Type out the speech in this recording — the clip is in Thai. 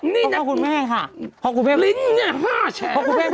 ข้าวข้าวคุณแม่ค่ะพ่อครูแพก